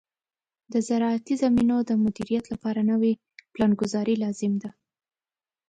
د زراعتي زمینو د مدیریت لپاره نوې پلانګذاري لازم ده.